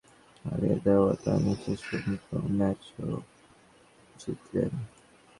ইনিংসের দ্বিতীয় বলেই মাশরাফিকে হারিয়ে দেওয়া তামিম শেষ পর্যন্ত ম্যাচও জিতলেন।